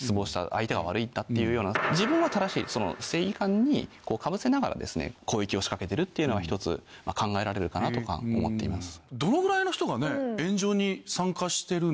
「相手が悪い」っていうような。にかぶせながら攻撃を仕掛けてるっていうのが１つ考えられるかなとか思っています。